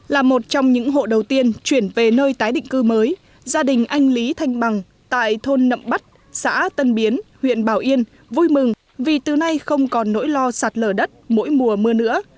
là một trong những hộ đầu tiên chuyển về nơi tái định cư mới gia đình anh lý thanh bằng tại thôn nậm bắt xã tân biến huyện bảo yên vui mừng vì từ nay không còn nỗi lo sạt lở đất mỗi mùa mưa nữa